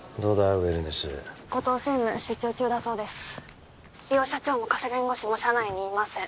ウェルネス後藤専務出張中だそうです☎梨央社長も加瀬弁護士も社内にいません